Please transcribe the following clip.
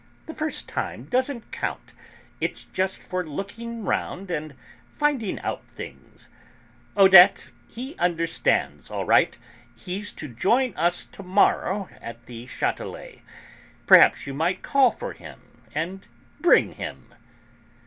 The first time doesn't count; it's just for looking round and finding out things. Odette, he understands all right, he's to join us to morrow at the Châtelet. Perhaps you might call for him and bring him."